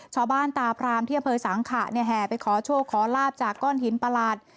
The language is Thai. ช่อบ้านตาพรามที่เยี่ยมเพลิงศาขาแห่ไปขอโชว์ขอลาบจากก้อนหินปลาหลาด